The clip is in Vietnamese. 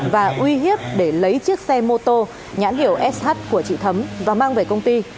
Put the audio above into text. và uy hiếp để lấy chiếc xe mô tô nhãn hiệu sh của chị thấm và mang về công ty